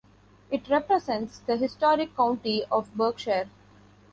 It represents the historic county of Berkshire.